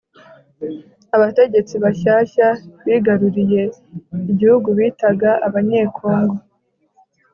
abategetsi bashyashya bigaruriye igihugu bitaga abanyekongo